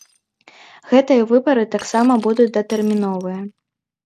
Гэтыя выбары таксама будуць датэрміновыя.